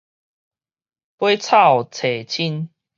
掰草揣親